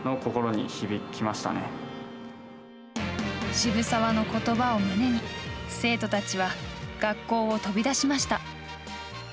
渋沢のことばを胸に生徒たちは学校を飛び出しました。